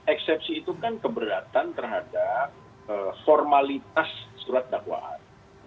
eksepsi itu kan keberatan terhadap formalitas surat dakwaan